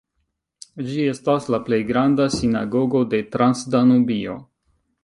Ĝi estas la plej granda sinagogo de Transdanubio.